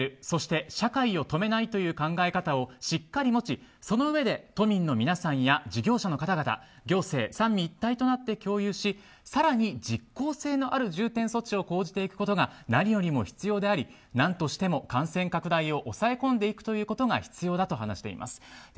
そして社会を止めないという考え方をしっかり持ちそのうえで都民の皆さんや事業者の方々そして行政三位一体となって共有し更に、実効性のある重点措置を講じていくことが何よりも必要であり何としても感染拡大を抑え込んでいくということが必要だと話しています。